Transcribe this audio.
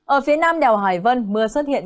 ở phía nam đèo hải vân mưa xuất hiện